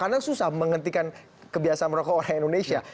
karena susah menghentikan kebiasaan merokok orang indonesia